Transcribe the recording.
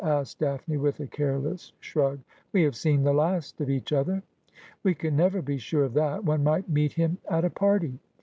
asked Daphne, with a careless shrug. ' We have seen the last of each other.' ' We can never be sure of that. One might meet him at a party.'